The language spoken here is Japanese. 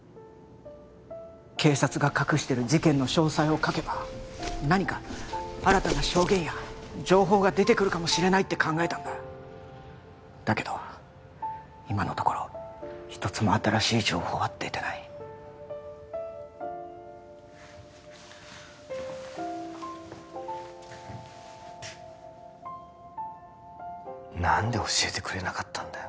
警察が隠してる事件の詳細を書けば何か新たな証言や情報が出てくるかもしれないって考えたんだだけど今のところ一つも新しい情報は出てない何で教えてくれなかったんだよ